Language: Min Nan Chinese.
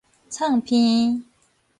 噌鼻